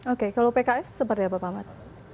oke kalau pks seperti apa pak ahmad